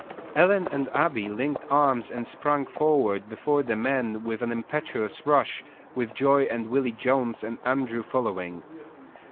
Ellen and Abby linked arms and sprang forward before the men with an impetuous rush, with Joy and Willy Jones and Andrew following.